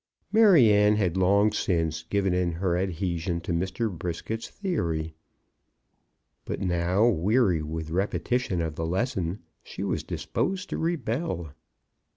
Maryanne had long since given in her adhesion to Mr. Brisket's theory; but now, weary with repetition of the lesson, she was disposed to rebel.